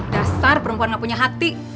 dasar perempuan gak punya hati